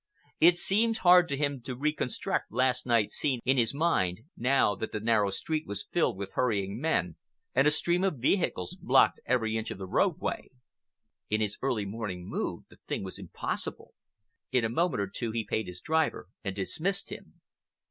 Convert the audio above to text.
It seemed hard to him to reconstruct last night's scene in his mind now that the narrow street was filled with hurrying men and a stream of vehicles blocked every inch of the roadway. In his early morning mood the thing was impossible. In a moment or two he paid his driver and dismissed him.